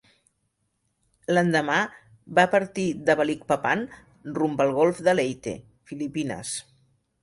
L'endemà, va partir de Balikpapan rumb al golf de Leyte, Filipines.